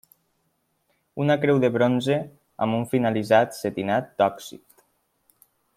Una creu de bronze amb un finalitzat setinat d'òxid.